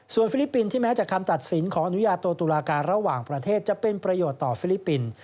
ฟิลิปปินส์ที่แม้จากคำตัดสินของอนุญาโตตุลาการระหว่างประเทศจะเป็นประโยชน์ต่อฟิลิปปินส์